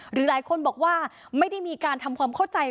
หรือหลายคนบอกว่าไม่ได้มีการทำความเข้าใจ